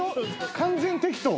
完全適当？